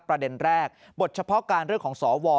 ประเด็นแรกบทเฉพาะการเรื่องของสว